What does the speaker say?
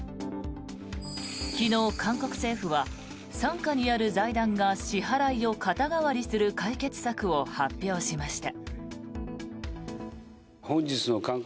昨日、韓国政府は傘下にある財団が支払いを肩代わりする解決策を発表しました。